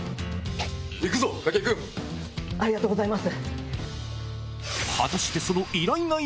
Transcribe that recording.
ありがとうございます。